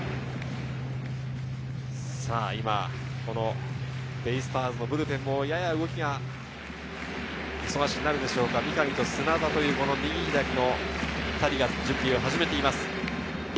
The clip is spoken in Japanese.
今、ベイスターズのブルペンもやや動きが忙しくなるでしょうか、三上と砂田という右、左の２人が準備を始めています。